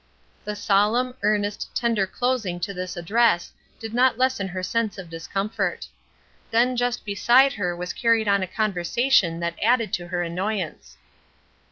The solemn, earnest, tender closing to this address did not lessen her sense of discomfort. Then just beside her was carried on a conversation that added to her annoyance.